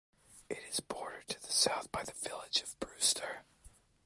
It is bordered to the south by the village of Brewster.